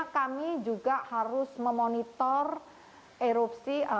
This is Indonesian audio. karena kami juga harus memonitor erupsi